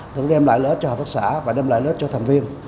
thì nó đem lại lợi ích cho hợp tác xã và đem lại lợi ích cho thành viên